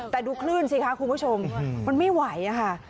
แต่ดูคลื่นสิคะคุณผู้ชมมันไม่ไหวค่ะ